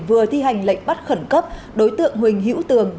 vừa thi hành lệnh bắt khẩn cấp đối tượng huỳnh hữu tường